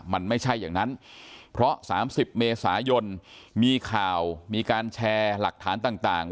มันไม่ใช่อย่างนั้นเพราะ๓๐เมษายนมีข่าวมีการแชร์หลักฐานต่าง